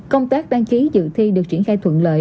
công tác đăng ký dự thi được triển khai thuận lợi